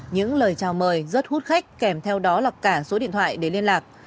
những lời chào mời rất hút khách kèm theo đó là cả số điện thoại để liên lạc